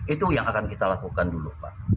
itu yang akan kita lakukan dulu pak